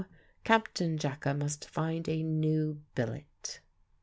No; Captain Jacka must find a new billet.